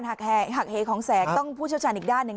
หากหักเหของแสงต้องผู้เชี่ยวชาญอีกด้านหนึ่ง